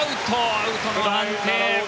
アウトの判定。